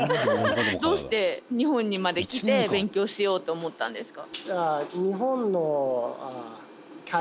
どうして日本にまで来て勉強しようと思ったんですか？